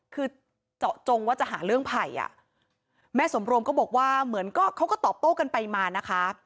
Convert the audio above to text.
คือเจาะจงว่าจะหาเรื่องไผ่อ่ะแม่สมรวมก็บอกว่าเหมือนก็เขาก็ตอบโต้กันไปมานะคะ